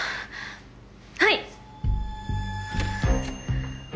はい！